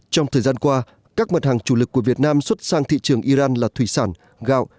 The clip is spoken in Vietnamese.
trong thời gian qua các mặt hàng chủ lực của việt nam xuất sang thị trường iran là thủy sản gạo